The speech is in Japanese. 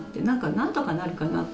なんとかなるかなって